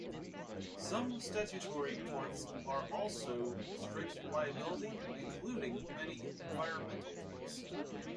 Some statutory torts are also strict liability, including many environmental torts.